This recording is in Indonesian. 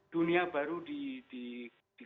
dunia baru di